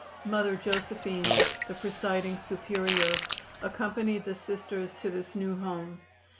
Mother Josephine, the presiding Superior, accompanied the Sisters to this new home.